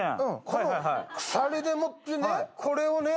この鎖でもってね